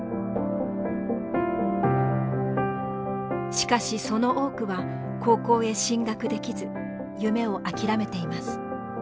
しかしその多くは高校へ進学できず夢を諦めています。